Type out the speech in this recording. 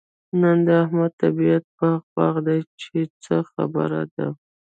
نن د احمد طبيعت باغ باغ دی؛ چې څه خبره ده؟